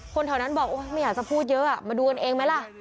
แถวนั้นบอกไม่อยากจะพูดเยอะมาดูกันเองไหมล่ะ